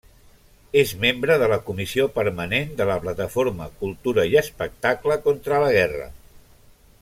És membre de la comissió permanent de la Plataforma Cultura i Espectacle contra la Guerra.